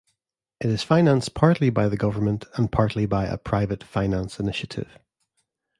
It is financed partly by the government and partly by a private finance initiative.